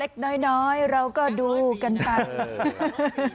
เล็กน้อยเราก็ดูกันไป